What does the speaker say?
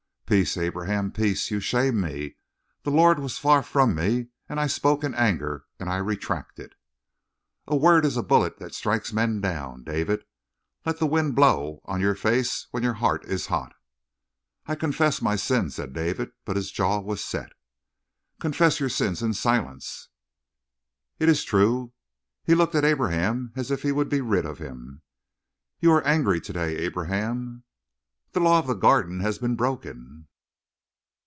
"Peace, Abraham, peace. You shame me. The Lord was far from me, and I spoke in anger, and I retract it." "A word is a bullet that strikes men down, David. Let the wind blow on your face when your heart is hot." "I confess my sin," said David, but his jaw was set. "Confess your sins in silence." "It is true." He looked at Abraham as if he would be rid of him. "You are angry to day, Abraham." "The law of the Garden has been broken."